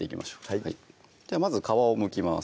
はいではまず皮をむきます